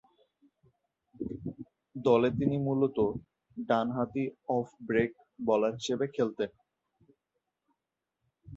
দলে তিনি মূলতঃ ডানহাতি অফ ব্রেক বোলার হিসেবে খেলতেন।